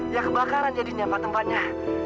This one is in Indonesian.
ya kebakaran jadinya pak tempatnya